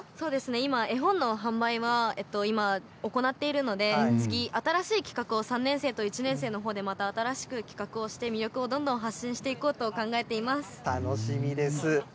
今、絵本の販売は、今、行っているので、次、新しい企画を３年生と１年生のほうでまた新しく企画をして、魅力をどんどん発信楽しみです。